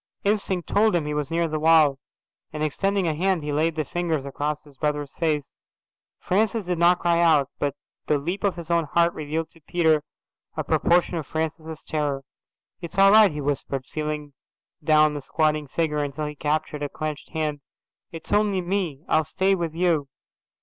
Instinct told him he was near the wall, and, extending a hand, he laid the fingers across his brother's face. Francis did not cry out, but the leap of his own heart revealed to Peter a proportion of Francis's terror. "It's all right," he whispered, feeling down the squatting figure until he captured a clenched hand. "It's only me. I'll stay with you."